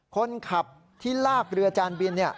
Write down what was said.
คนขับที่ลากเรือจานบิน